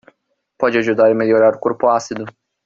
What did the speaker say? Pode ajudar a melhorar o corpo ácido